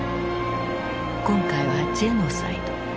今回はジェノサイド。